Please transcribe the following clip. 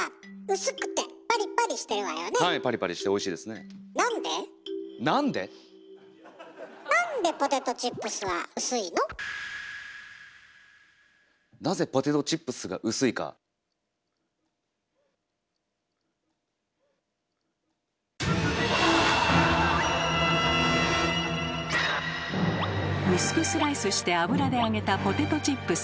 薄くスライスして油で揚げたポテトチップスおいしいですよね。